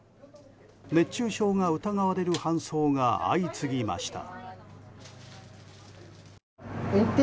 熱中症が疑われる搬送が相次ぎました。